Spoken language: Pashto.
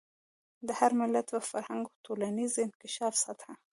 د هر ملت د فرهنګي او ټولنیز انکشاف سطح.